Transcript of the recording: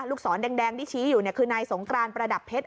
ลูกศรแดงแดงที่ชี้อยู่เนี้ยคือนายสงกรานประดับเพชร